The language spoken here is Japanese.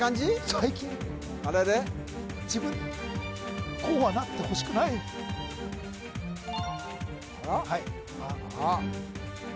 最近自分こうはなってほしくないあら？